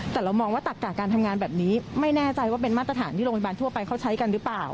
แต่เรามองว่าตักกะการทำงานแบบนี้ไม่แน่ใจว่าเป็นมาตรฐานที่โรงพยาบาลทั่วไปเขาใช้กันหรือเปล่า